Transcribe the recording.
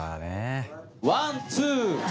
ワンツー。